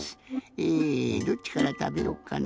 えどっちからたべよっかな。